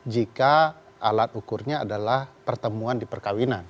jika alat ukurnya adalah pertemuan di perkawinan